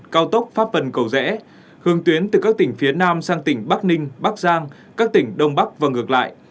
cao tốc pháp vân cầu rẽ hướng tuyến từ các tỉnh phía nam sang tỉnh bắc ninh bắc giang các tỉnh đông bắc và ngược lại